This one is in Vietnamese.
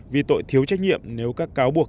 vì tội thiếu trách nhiệm nếu các cáo buộc